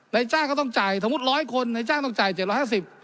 ในจ้างก็ต้องจ่ายสมมุติร้อยคนในจ้างต้องจ่าย๗๕๐บาท